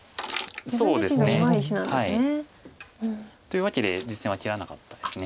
というわけで実戦は切らなかったです。